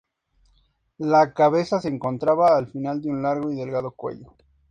La cabeza se encontraba al final de un largo y delgado cuello.